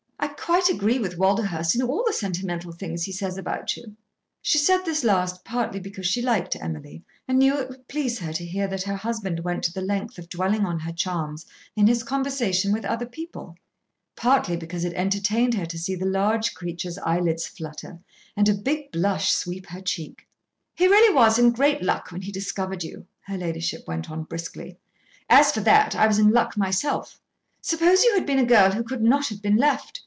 I quite agree with Walderhurst in all the sentimental things he says about you." She said this last partly because she liked Emily and knew it would please her to hear that her husband went to the length of dwelling on her charms in his conversation with other people, partly because it entertained her to see the large creature's eyelids flutter and a big blush sweep her cheek. "He really was in great luck when he discovered you," her ladyship went on briskly. "As for that, I was in luck myself. Suppose you had been a girl who could not have been left.